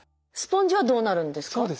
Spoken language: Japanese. スポンジはどうなるんですか？